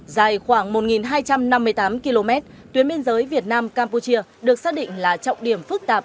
dài khoảng một hai trăm năm mươi tám km tuyến biên giới việt nam campuchia được xác định là trọng điểm phức tạp